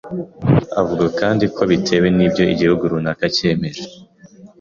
Avuga kandi ko bitewe n'ibyo igihugu runaka cyemeje,